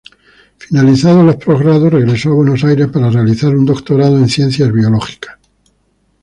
Finalizados los posgrados regresó a Buenos Aires para realizar un doctorado en Ciencias Biológicas.